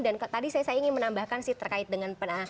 tadi saya ingin menambahkan sih terkait dengan